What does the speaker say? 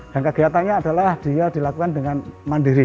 dan kegiatannya adalah dia dilakukan dengan mandiri